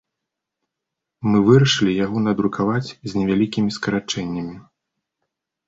Мы вырашылі яго надрукаваць з невялікімі скарачэннямі.